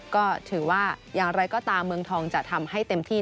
ก็ถือว่าอย่างไรก็ตามเมืองทองจะทำให้เต็มที่